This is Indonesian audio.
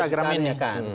nah ini harus ditanyakan